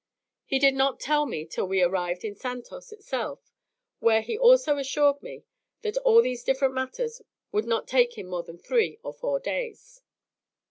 He did not tell me till we arrived in Santos itself, where he also assured me that all these different matters would not take him more than three or four days.